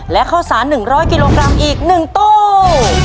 และข้าวสาร๑๐๐กิโลกรัมอีก๑ตู้